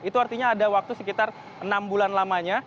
itu artinya ada waktu sekitar enam bulan lamanya